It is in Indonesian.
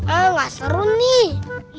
enggak seru nih